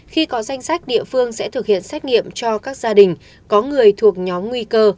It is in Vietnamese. khi có danh sách địa phương sẽ thực hiện xét nghiệm cho các gia đình có người thuộc nhóm nguy cơ